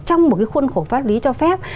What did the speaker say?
trong một cái khuôn khổ pháp lý cho phép